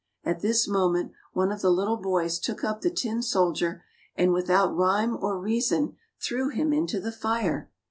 At this moment one of the little boys took up the tin soldier, and without rhyme or reason, threw him into the fire.